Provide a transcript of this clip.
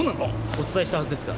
お伝えしたはずですが。